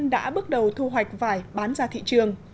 đã bước đầu thu hoạch vải bán ra thị trường